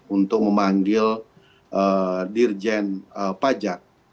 untuk memanggil dirjen pajak